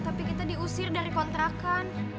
tapi kita diusir dari kontrakan